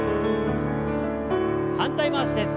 反対回しです。